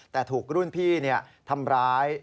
แต่ถูกรุ่นพี่ทำร้าย